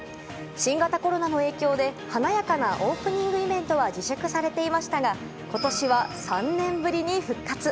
新型コロナの影響で華やかなオープニングイベントは自粛されていましたが今年は３年ぶりに復活。